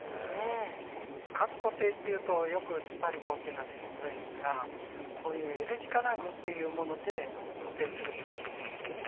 家具固定っていうとよくつっぱり棒っていうのが出てくるんですがこういうＬ字金具っていうもので固定するといいっていうんですね。